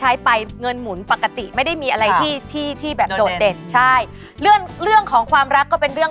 หรือ๓หรือ๓หรือ๓หรือ๓หรือ๓หรือ๓หรือ๓หรือ๓หรือ๓